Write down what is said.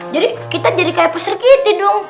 jadi kita jadi kayak pesergyti dong